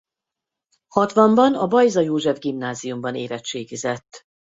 Hatvanban a Bajza József Gimnáziumban érettségizett.